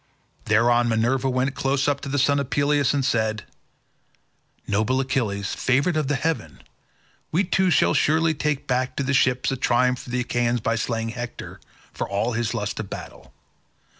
Thereon Minerva went close up to the son of Peleus and said, "Noble Achilles, favoured of heaven, we two shall surely take back to the ships a triumph for the Achaeans by slaying Hector, for all his lust of battle.